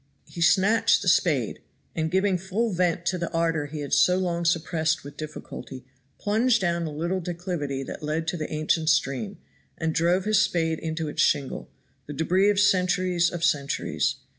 He snatched the spade, and giving full vent to the ardor he had so long suppressed with difficulty, plunged down a little declivity that led to the ancient stream, and drove his spade into its shingle, the debris of centuries of centuries.